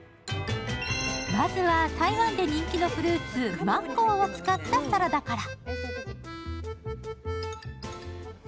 まずは台湾で人気のフルーツ、マンゴーを使ったサラダから。